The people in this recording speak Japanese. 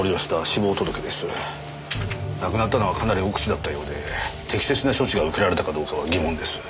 亡くなったのはかなり奥地だったようで適切な処置が受けられたかどうかは疑問です。